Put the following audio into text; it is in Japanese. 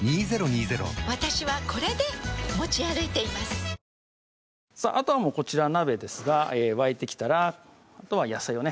なるほどあとはもうこちら鍋ですが沸いてきたらあとは野菜をね